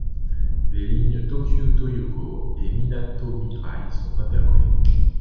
Les lignes Tōkyū Tōyoko et Minatomirai sont interconnectées.